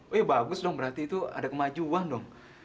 oh ya bagus dong berarti itu ada kemajuan dong